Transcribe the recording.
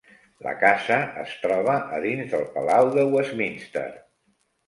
La casa es troba a dins del Palau de Westminster.